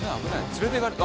連れていかれる。